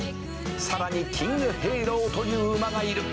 「さらにキングヘイローという馬がいる」